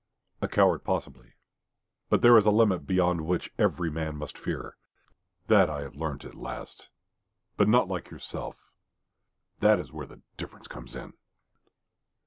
"A coward possibly. There is a limit beyond which every man must fear. That I have learnt at last. But not like yourself. That is where the difference comes in."